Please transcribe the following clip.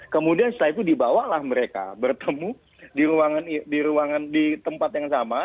kemudian setelah itu dibawalah mereka bertemu di ruangan di tempat yang sama